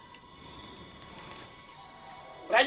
tapi ada lagi